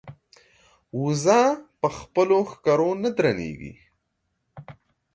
بزه خپل په ښکرو نه درنېږي.